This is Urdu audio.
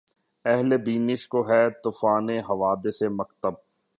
اہلِ بینش کو‘ ہے طوفانِ حوادث‘ مکتب